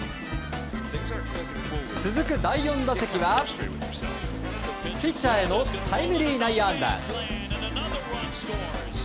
続く第４打席は、ピッチャーへのタイムリー内野安打。